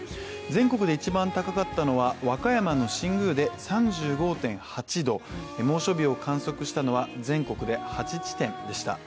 全国で一番高かったのは和歌山の新宮で３５．８度、猛暑日を観測したのは全国で８地点でした。